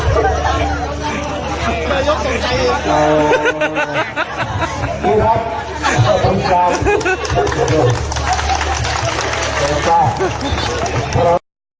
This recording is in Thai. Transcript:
โปรดติดตามตอนต่อไป